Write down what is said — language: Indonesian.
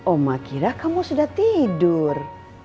oma kira kamu sudah tidur